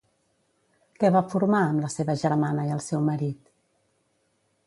Què va formar amb la seva germana i el seu marit?